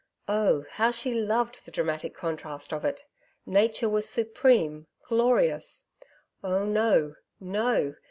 Oh! how she loved the dramatic contrast of it. Nature was supreme, glorious.... Oh no, no!